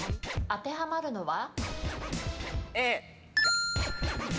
当てはまるのは？